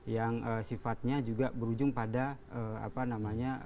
yang sifatnya juga berujung pada apa namanya